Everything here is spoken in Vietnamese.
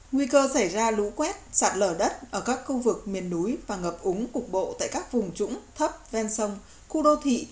nguy cơ xảy ra lũ quét sạt lở đất ở các khu vực miền núi và ngập úng cục bộ tại các vùng trũng thấp ven sông khu đô thị